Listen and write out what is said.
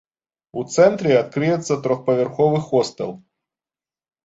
У цэнтры адкрыецца трохпавярховы хостэл.